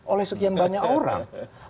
oleh sekian banyak orang